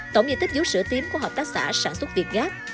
tổng diện tích dũ sữa tím của hợp tác xã sản xuất việt gáp